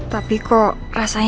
tapi kok rasanya gak enak